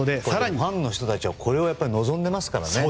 ファンの方たちはこれを望んでいますからね。